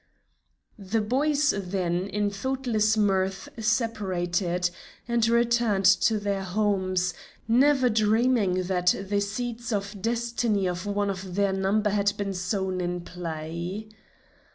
The boys then in thoughtless mirth separated, to return to their homes, never dreaming that the seeds of destiny of one of their number had been sown in play.